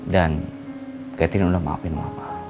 dan catherine udah maafin mama